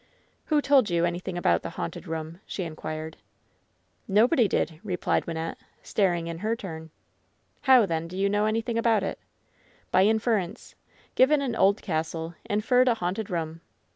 ''Who told you anything about the haunted room V* she inquired. "Nobody did," replied Wynnette, staring in her turn. "How, then, did you know anyrfiing about it?" "By inference. Given an old castle, inferred a haunted room.